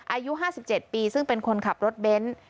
อายุห้าสิบเจ็ดปีซึ่งเป็นคนขับรถเบ้นท์